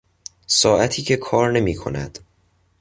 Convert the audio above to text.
ساعتی که کار نمیکند